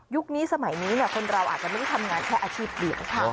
นี้สมัยนี้คนเราอาจจะไม่ได้ทำงานแค่อาชีพเดียว